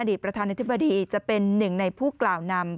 ประธานาธิบดีจะเป็นหนึ่งในผู้กล่าวนำ